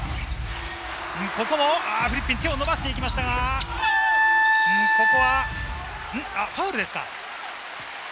フリッピンが手を伸ばしていきましたが、ここはファウルですか？